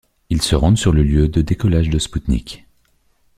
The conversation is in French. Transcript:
Ils se rendent sur le lieu de décollage du spoutnik.